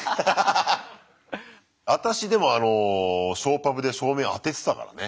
私でもショーパブで照明あててたからね。